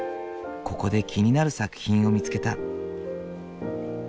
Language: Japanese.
ここで気になる作品を見つけた。